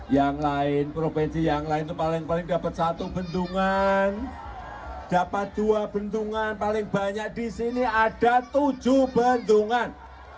yang lain provinsi yang lain itu paling paling dapat satu bendungan dapat dua bendungan paling banyak di sini ada tujuh bendungan